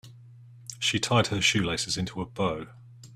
She tied her shoelaces into a bow.